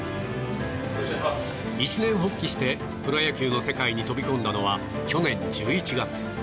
一念発起してプロ野球の世界に飛び込んだのは去年１１月。